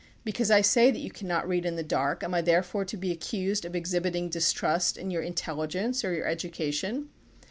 Because I say that you cannot read in the dark am I therefore to be accused of exhibiting dis trust in your intelligence or your education?